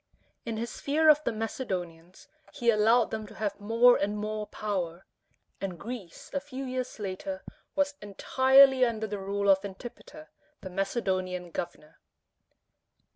In his fear of the Macedonians, he allowed them to have more and more power; and Greece a few years later was entirely under the rule of Antipater, the Macedonian governor.